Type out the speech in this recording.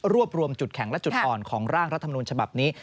รวมจุดแข็งและจุดอ่อนของร่างรัฐมนูญฉบับนี้